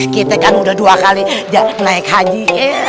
kita kan udah dua kali naik haji